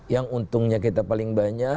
yang untungnya kita paling banyak